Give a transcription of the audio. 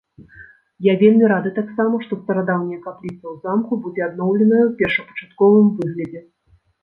Я вельмі рады таксама, што старадаўняя капліца ў замку будзе адноўленая ў першапачатковым выглядзе.